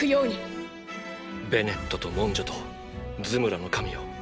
ベネットとモンジョとズムラの神よ。